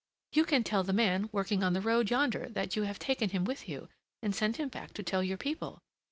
"You can tell the man working on the road yonder that you have taken him with you, and send him back to tell your people."